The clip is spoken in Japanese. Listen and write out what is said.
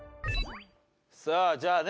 さあじゃあね